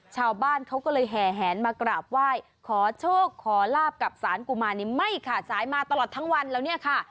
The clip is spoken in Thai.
ชาวบ้านเขาก็เลยแห่แหนมากราบไหว้ขอโชคขอลาบกับสารกุมารนี้ไม่ขาดสายมาตลอดทั้งวันแล้วเนี่ยค่ะ